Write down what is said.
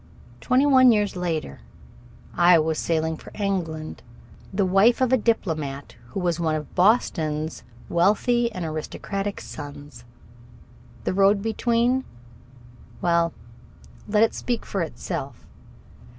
Twenty one years later I was sailing for England, the wife of a diplomat who was one of Boston's wealthy and aristocratic sons. The road between well, let it speak for itself.